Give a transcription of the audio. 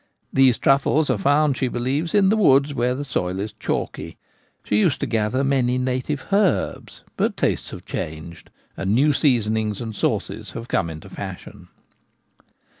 These truffles are found, she believes, in the woods where the soil is chalky. She used to gather many native herbs ; but tastes have changed, and new reasonings and sauces have come into fashion. His Son.